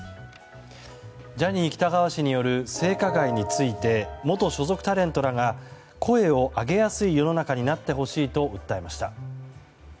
ジャニー喜多川氏による性加害について元所属タレントらが声を上げやすい世の中になってほしいと訴えました。